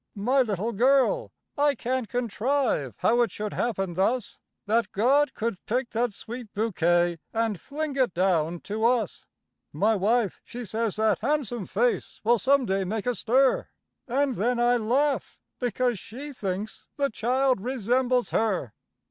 My little girl I can't contrive how it should happen thus That God could pick that sweet bouquet, and fling it down to us! My wife, she says that han'some face will some day make a stir; And then I laugh, because she thinks the child resembles her.